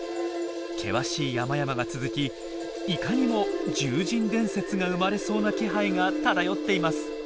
険しい山々が続きいかにも獣人伝説が生まれそうな気配が漂っています。